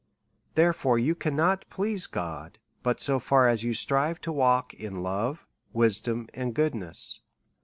Therefore, you cannot please God, but so far as you strive to walk in love, wisdom, and goodness.